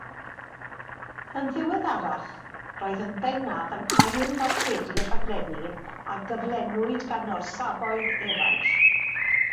Yn ddiweddarach, roedd yn bennaf yn ail-ddarlledu rhaglenni a gyflenwyd gan orsafoedd eraill.